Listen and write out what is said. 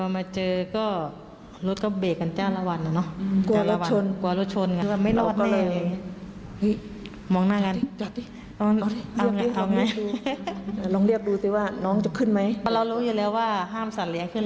พิษระเบียบพิษเอาไงบ้างน้องเอาไงเอาโดนก็โดนเรียกเขาขึ้น